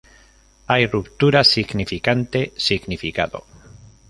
Hay ruptura significante-significado.